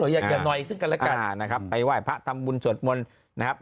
อย่าหน่อยซึ่งกันแล้วกันนะครับไปไหว้พระทำบุญสวดมนต์นะครับ